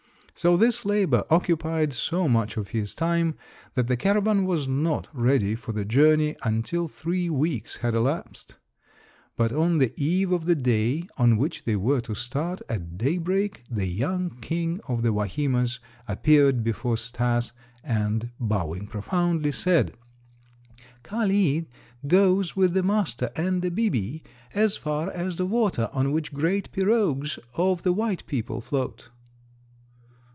So this labor occupied so much of his time that the caravan was not ready for the journey until three weeks had elapsed. But on the eve of the day on which they were to start at daybreak the young King of the Wahimas appeared before Stas and, bowing profoundly, said: "Kali goes with the master and the 'bibi' as far as the water on which great pirogues of the white people float."